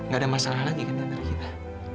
gak ada masalah lagi kan diantara kita